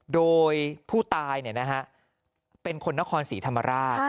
โดยผู้ตายเนี่ยนะฮะเป็นคนนครศรีธรรมราช